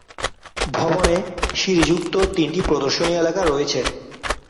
ভবনে সিঁড়ি যুক্ত তিনটি প্রদর্শনী এলাকা রয়েছে।